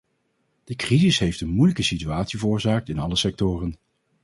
De crisis heeft een moeilijke situatie veroorzaakt in alle sectoren.